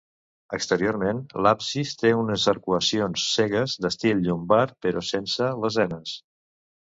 Exteriorment, l'absis té unes arcuacions cegues d'estil llombard, però sense lesenes.